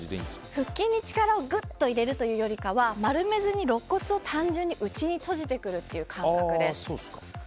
腹筋に力をぐっと入れるというよりは丸めずに肋骨を単純に内に閉じてくるという感覚です。